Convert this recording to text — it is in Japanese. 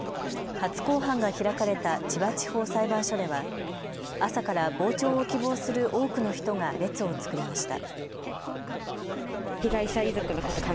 初公判が開かれた千葉地方裁判所では朝から傍聴を希望する多くの人が列を作りました。